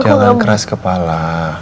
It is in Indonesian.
jangan keras kepala